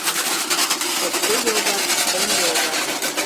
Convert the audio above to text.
Шопке йолват, шым йолват